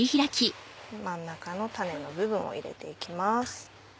真ん中の種の部分を入れて行きます。